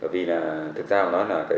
vì thực ra